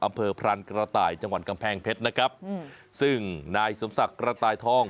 อำเภอพรานกระต่ายจังหวัดกำแพงเพชรนะครับซึ่งนายสมศักดิ์กระต่ายทอง